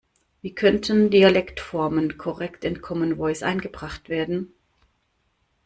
Wie könnten Dialektformen korrekt in Common Voice eingebracht werden?